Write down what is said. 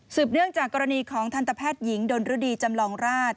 เนื่องจากกรณีของทันตแพทย์หญิงดนรดีจำลองราช